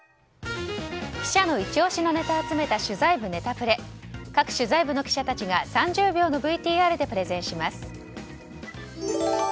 各取材部の記者たちが３０秒のＶＴＲでプレゼンします。